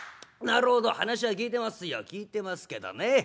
なるほど話は聞いてますよ聞いてますけどね